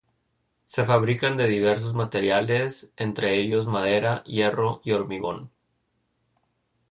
Se fabrican de diversos materiales, entre ellos madera, hierro y hormigón.